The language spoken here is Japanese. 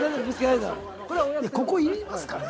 いやここいりますかね？